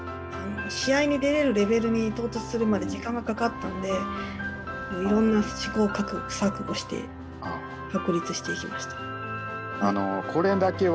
試合に出れるレベルに到達するまで時間がかかったのでいろんな試行錯誤して確立していきました。